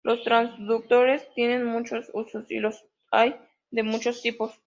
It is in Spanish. Los transductores tienen muchos usos y los hay de muchos tipos.